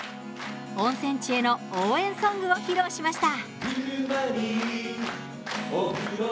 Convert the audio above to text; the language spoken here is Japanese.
温泉地への応援ソングを披露しました。